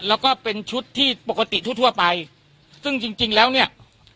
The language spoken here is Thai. แล้วก็เป็นชุดที่ปกติทั่วทั่วไปซึ่งจริงจริงแล้วเนี่ย